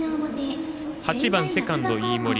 ８番、セカンド、飯盛。